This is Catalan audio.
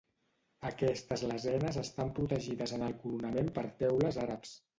Aquestes lesenes estan protegides en el coronament per teules àrabs.